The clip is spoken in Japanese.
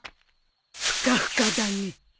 ふかふかだね。